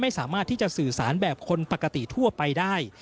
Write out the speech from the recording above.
ไม่สามารถที่จะสื่อสารแบบคนปกติทั่วไปได้